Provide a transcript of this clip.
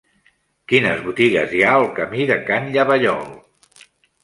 Quines botigues hi ha al camí de Can Llavallol?